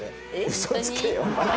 嘘つけよ！